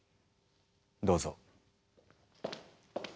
どうぞ。